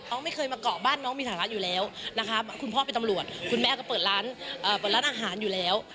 ไม่เคยมาเกาะบ้านน้องมีฐานะอยู่แล้วนะคะคุณพ่อเป็นตำรวจคุณแม่ก็เปิดร้านเปิดร้านอาหารอยู่แล้ว